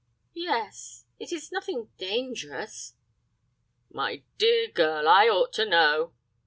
"Yes. It is nothing dangerous?" "My dear girl, I ought to know!"